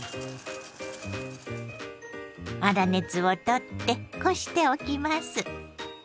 粗熱を取ってこしておきます。